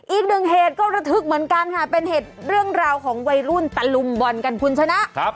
อีกหนึ่งเหตุก็ระทึกเหมือนกันค่ะเป็นเหตุเรื่องราวของวัยรุ่นตะลุมบอลกันคุณชนะ